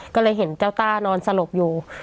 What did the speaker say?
ก็เลยเห็นเจ้าต้านอนสลบอยู่